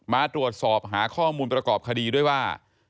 มาตรวจสอบหาข้อมูลประกอบคดีด้วยว่า